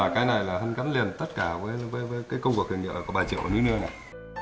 cái này là gắn liền tất cả với công cuộc khởi nghĩa của bà triệu ở núi nương này